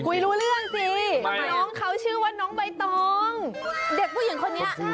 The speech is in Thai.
คุยรู้เรื่องสิน้องเขาชื่อว่าน้องใบตองเด็กผู้หญิงคนนี้